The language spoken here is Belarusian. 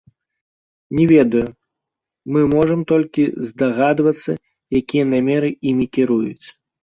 Не ведаю, мы можам толькі здагадвацца, якія намеры імі кіруюць.